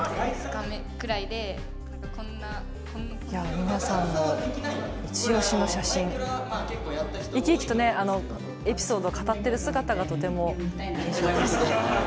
皆さんのいちオシの写真、生き生きとエピソードを語っている姿がとても印象的。